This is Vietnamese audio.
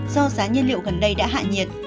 do giá nhiên liệu gần đây đã hạ nhiệt